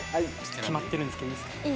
決まってるんですけどいいですか？